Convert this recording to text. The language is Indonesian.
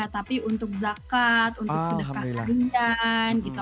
tapi untuk zakat untuk sedekah ringan gitu